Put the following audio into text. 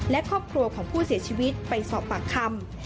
และครอบครัวของผู้เสียชีวิตไปสอบปากคำ